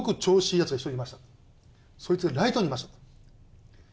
そいつがライトにいました。